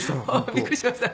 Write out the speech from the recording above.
びっくりしましたか。